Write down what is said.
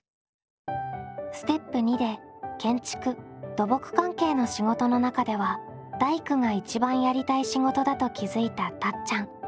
ステップ②で建築・土木関係の仕事の中では大工が一番やりたい仕事だと気付いたたっちゃん。